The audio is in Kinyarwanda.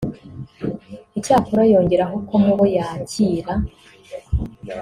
Icyakora yongeraho ko mu bo yakira